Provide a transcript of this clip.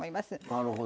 なるほど。